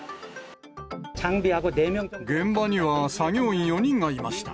現場には作業員４人がいました。